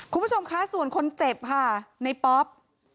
คุณผู้ชมคะส่วนคนเจ็บค่ะในป๊อป